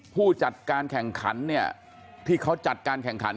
ผู้จัดการแข่งขันเนี่ยที่เขาจัดการแข่งขัน